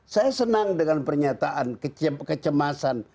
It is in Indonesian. saya senang dengan pernyataan kecemasan